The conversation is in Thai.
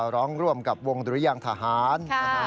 ร้องร่วมกับวงดุรยางทหาร